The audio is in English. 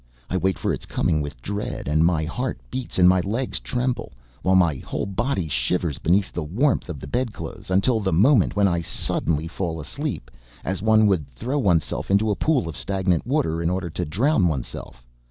I wait for its coming with dread, and my heart beats and my legs tremble, while my whole body shivers beneath the warmth of the bedclothes, until the moment when I suddenly fall asleep, as one would throw oneself into a pool of stagnant water in order to drown oneself.